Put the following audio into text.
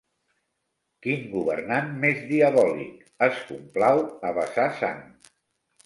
Quin governant més diabòlic: es complau a vessar sang.